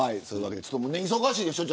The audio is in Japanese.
忙しいでしょ。